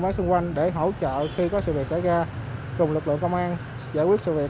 máy xung quanh để hỗ trợ khi có sự việc xảy ra cùng lực lượng công an giải quyết sự việc